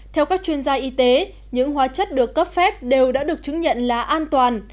theo các chuyên gia y tế những hóa chất được cấp phép đều đã được chứng nhận là an toàn